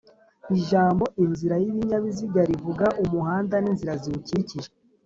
ijambo’’inzira y’ibinyabiziga’’,rivuga umuhanda n’inzira ziwukikije: